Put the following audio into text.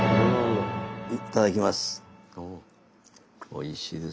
いただきます。